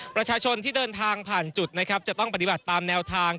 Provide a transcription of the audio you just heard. ประชาชนที่เดินทางผ่านจุดนะครับจะต้องปฏิบัติตามแนวทาง